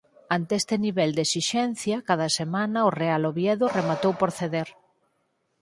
Ante este nivel de esixencia cada semana o Real Oviedo rematou por ceder.